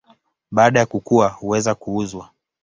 Baada ya kukua huweza kuuzwa.